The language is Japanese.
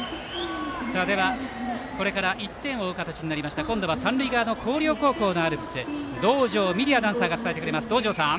では、これから１点を追う形になりました今度は三塁側の広陵高校のアルプス道上美璃アナウンサーが伝えてくれます。